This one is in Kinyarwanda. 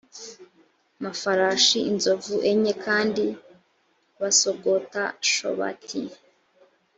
mafarashi inzovu enye kandi basogota shobaki